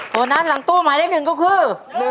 โบนัสหลังตู้หมายเลข๑ก็คือ